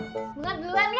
bunga dulu aja